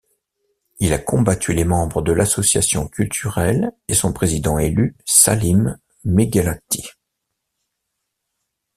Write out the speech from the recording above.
Il combattu les membres de l'association culturelle et son président élu Salim Méguellati.